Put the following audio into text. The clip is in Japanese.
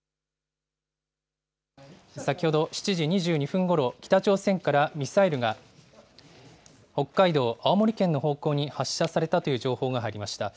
先ほど、７時２２分ごろ、北朝鮮からミサイルが、北海道、青森県の方向に発射されたという情報が入りました。